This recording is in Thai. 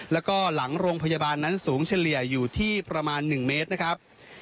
แล้วก็หลังโรงพยาบาลนั้นสูงเฉลี่ยอยู่ที่ประมาณ๑เมตรนะครับ